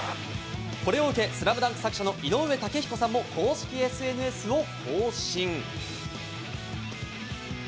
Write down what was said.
これを受け、『ＳＬＡＭＤＵＮＫ』作者の井上雄彦さんも公式ＳＮＳを更新。